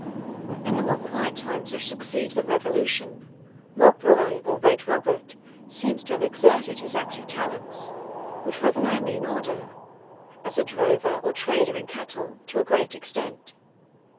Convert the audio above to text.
In the more quiet times which succeeded the Revolution, Rob Roy, or Red Robert, seems to have exerted his active talents, which were of no mean order, as a drover, or trader in cattle, to a great extent.